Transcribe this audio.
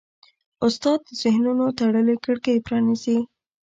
استاد د ذهنونو تړلې کړکۍ پرانیزي.